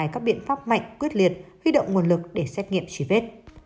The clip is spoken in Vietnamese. các biện pháp mạnh quyết liệt huy động nguồn lực để xét nghiệm truy vết